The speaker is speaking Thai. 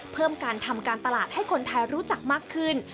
เพิ่มการทำการตลาดให้คนไทยรู้จักมากขึ้น